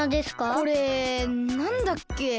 これなんだっけ？